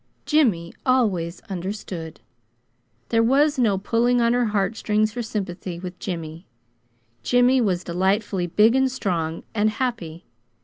Jimmy always understood. There was no pulling on her heart strings for sympathy, with Jimmy Jimmy was delightfully big, and strong, and happy.